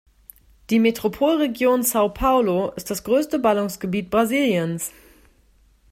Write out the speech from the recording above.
Die Metropolregion São Paulo ist das größte Ballungsgebiet Brasiliens.